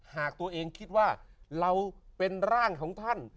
หากตัวเองคิดว่าเราเป็นร่างของท่าน